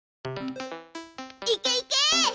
いけいけ！